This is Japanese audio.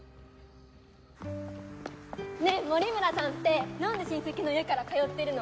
ねえ森村さんってなんで親戚の家から通ってるの？